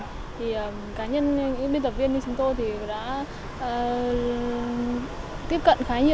thì cá nhân những biên tập viên như chúng tôi đã tiếp cận khá nhiều